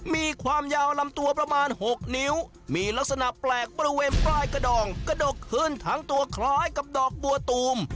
มีความยาวลำตัวประมาณ๖นิ้วมีลักษณะแปลกบริเวณปลายกระดองกระดกขึ้นทั้งตัวคล้ายกับดอกบัวตูม